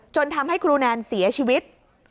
ทำให้ครูแนนเสียชีวิต